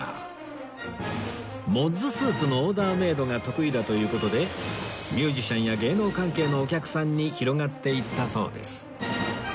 モッズスーツのオーダーメイドが得意だという事でミュージシャンや芸能関係のお客さんに広がっていったそうです